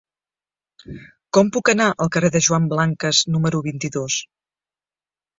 Com puc anar al carrer de Joan Blanques número vint-i-dos?